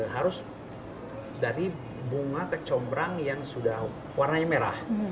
harus dari bunga kecombrang yang sudah warnanya merah